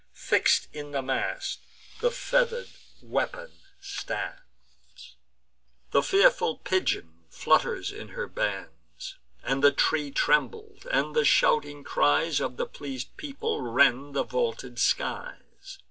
Fix'd in the mast the feather'd weapon stands: The fearful pigeon flutters in her bands, And the tree trembled, and the shouting cries Of the pleas'd people rend the vaulted skies.